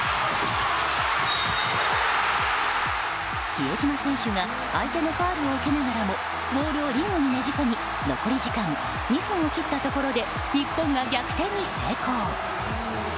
比江島選手が相手のファウルを受けながらもボールをリングにねじ込み残り時間２分を切ったところで日本が逆転に成功。